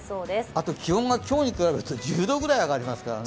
あと気温が今日に比べると１０度ぐらい上がりますからね。